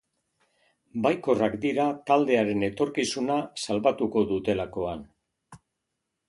Baikorrak dira taldearen etorkizuna salbatuko dutelakoan.